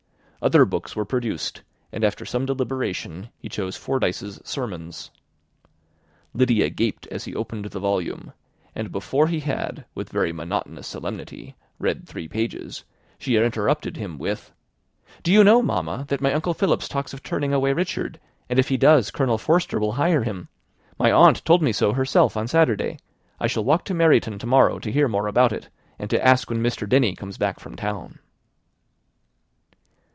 Other books were produced, and after some deliberation he chose "Fordyce's Sermons." Lydia gaped as he opened the volume; and before he had, with very monotonous solemnity, read three pages, she interrupted him with, "Do you know, mamma, that my uncle Philips talks of turning away Richard? and if he does, Colonel Forster will hire him. My aunt told me so herself on Saturday. I shall walk to Meryton to morrow to hear more about it, and to ask when Mr. Denny comes back from town."